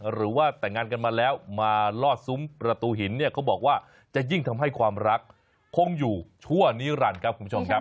หรือว่าแต่งงานกันมาแล้วมาลอดซุ้มประตูหินเนี่ยเขาบอกว่าจะยิ่งทำให้ความรักคงอยู่ชั่วนิรันดิ์ครับคุณผู้ชมครับ